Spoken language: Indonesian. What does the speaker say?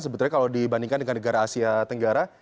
sebetulnya kalau dibandingkan dengan negara asia tenggara